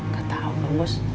kata allah bos